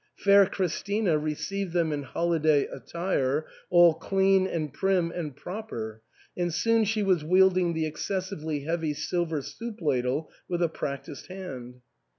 Fair Chris tina received them in holiday attire, all clean and prim and proper ; and soon she was wielding the excessively heavy silver soup ladle with a practised hand.